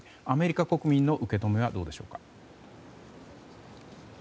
アメリカ国民の受け止めはどうでしょうか。